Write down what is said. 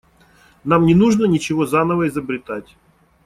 Нам не нужно ничего заново изобретать.